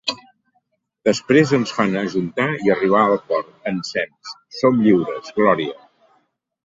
Després ens fan ajuntar i arribar al port ensems: som lliures, glòria!